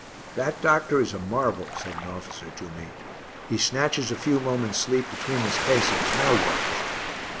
"That doctor is a marvel," said an officer to me. "He snatches a few moments sleep between his cases. Now watch!"